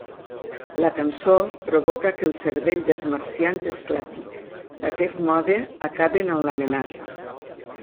La cançó provoca que el cervell dels marcians esclati, d'aquest mode acaben amb l'amenaça.